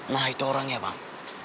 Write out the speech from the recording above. nah itu orangnya bang